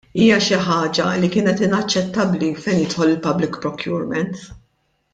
Hija xi ħaġa li kienet inaċċettabbli fejn jidħol il-public procurement.